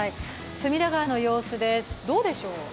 隅田川の様子です、どうでしょう？